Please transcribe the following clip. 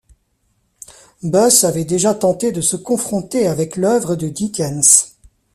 Buss avait déjà tenté de se confronter avec l’œuvre de Dickens.